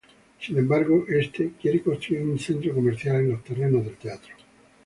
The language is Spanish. Sin embargo, este quiere construir un centro comercial en los terrenos del teatro.